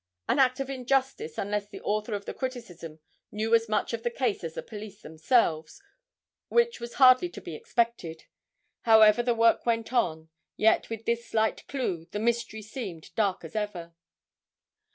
An act of injustice unless the author of the criticism knew as much of the case as the police themselves, which was hardly to be expected. However, the work went on, yet with this slight clue the mystery seemed dark as ever.